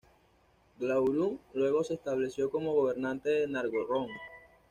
Glaurung luego se estableció como gobernante de Nargothrond.